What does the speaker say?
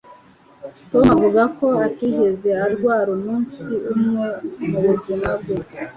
Tom avuga ko atigeze arwara umunsi umwe mubuzima bwe.